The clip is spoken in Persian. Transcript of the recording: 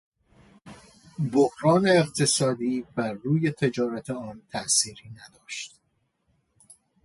بحران اقتصادی بر روی تجارت آن تاثیر نداشت.